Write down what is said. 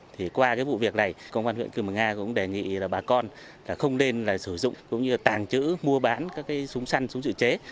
thì qua cái vụ việc này công an huyện cư mở nga cũng đề nghị bà con không nên sử dụng tàng trữ mua bán các súng săn súng dự chế